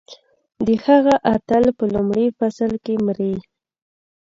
چې د هغه اتل په لومړي فصل کې مري.